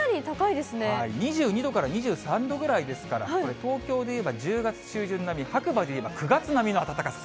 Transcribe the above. ２２度から２３度ぐらいですから、これ、東京でいえば１０月中旬並み、白馬で言えば９月並みの暖かさ。